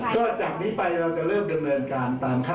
จริงคุณต้องรอเวลาให้ตัวบอก